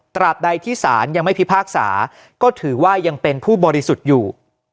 ตราบใดที่ศาลยังไม่พิพากษาก็ถือว่ายังเป็นผู้บริสุทธิ์อยู่